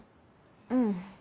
うん。